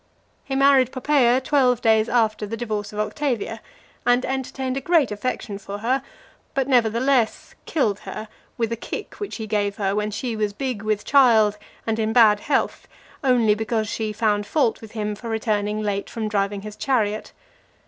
He married Poppaea twelve days after the divorce of Octavia , and entertained a great affection for her; but, nevertheless, killed her with a kick which he gave her when she was big with child, and in bad health, only because she found fault with him for returning late from driving his chariot.